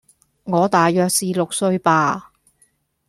我大約是六歲吧